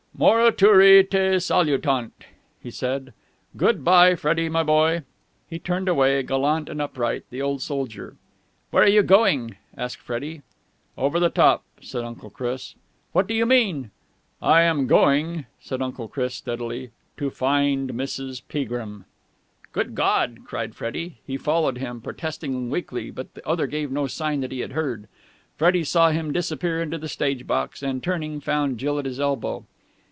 "Morituri te salutant!" he said. "Good bye, Freddie, my boy." He turned away, gallant and upright, the old soldier. "Where are you going?" asked Freddie. "Over the top!" said Uncle Chris. "What do you mean?" "I am going," said Uncle Chris steadily, "to find Mrs. Peagrim!" "Good God!" cried Freddie. He followed him, protesting weakly, but the other gave no sign that he had heard. Freddie saw him disappear into the stage box, and, turning, found Jill at his elbow.